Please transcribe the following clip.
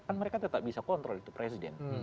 kan mereka tetap bisa kontrol itu presiden